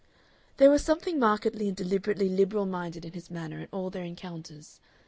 There was something markedly and deliberately liberal minded in his manner in all their encounters.